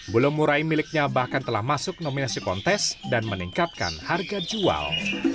bulu murai miliknya bahkan telah masuk nominasi kontes dan meningkatkan harga jual